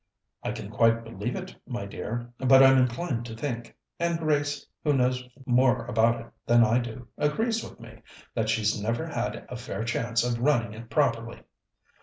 "I can quite believe it, my dear, but I'm inclined to think and Grace, who knows more about it than I do, agrees with me that she's never had a fair chance of running it properly."